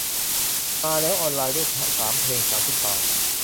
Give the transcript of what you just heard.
มาแล้ว ออนไลน์ด้วย สามเพลงสามสิบบาท